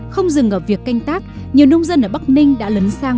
không dừng ở việc canh tác nhiều nông dân ở bắc ninh đã lấn sang